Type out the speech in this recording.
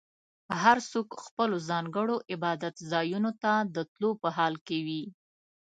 هر څوک خپلو ځانګړو عبادت ځایونو ته د تلو په حال کې وي.